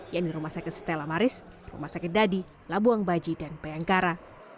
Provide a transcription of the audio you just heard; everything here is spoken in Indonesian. yang di rumah sakit stella maris rumah sakit dadi labuang baji dan bayangkara